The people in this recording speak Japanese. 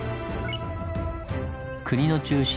国の中心